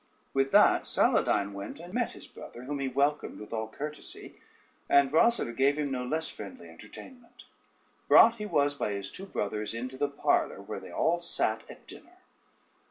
With that Saladyne went and met his brother, whom he welcomed with all courtesy, and Rosader gave him no less friendly entertainment; brought he was by his two brothers into the parlor where they all sate at dinner.